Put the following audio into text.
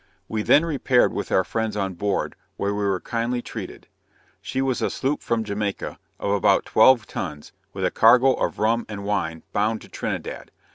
We then repaired with our friends on board, where we were kindly treated. She was a sloop from Jamaica, of about twelve tons, with a cargo of rum and wine, bound to Trinidad.